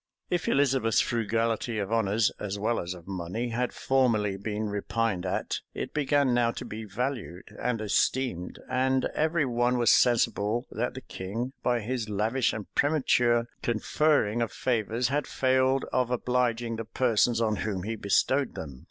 If Elizabeth's frugality of honors, as well as of money, had formerly been repined at, it began now to be valued and esteemed, and every one was sensible that the king, by his lavish and premature conferring of favors, had failed of obliging the persons on whom he bestowed them.